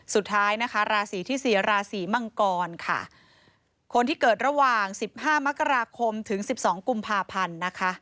สุดท้ายราศีที่๔ราศีมังกรคนที่เกิดระหว่าง๑๕มกราคมถึง๑๒กุมภาพันธ์